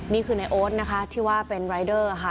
นี่คือในโอ๊ตนะคะที่ว่าเป็นรายเดอร์ค่ะ